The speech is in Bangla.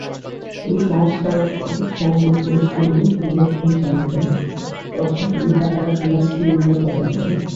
এই সংস্কারকগণ সমাজের দোষগুলি বিলক্ষণ জানিতেন, তথাপি তাঁহারা সমাজকে নিন্দা করেন নাই।